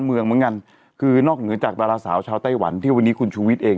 เมืองมั้งกันคือนอกเหมือนกับนางสาวชาวไต้วันที่วันนี้คุณชุวิตเอง